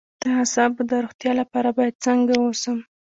د اعصابو د روغتیا لپاره باید څنګه اوسم؟